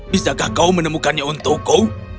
bisakah kau menemukannya untukku